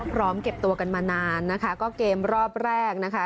พร้อมเก็บตัวกันมานานนะคะก็เกมรอบแรกนะคะ